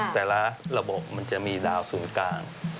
แต่แล้วระบบมันจะมีดาวส์สูงกลาง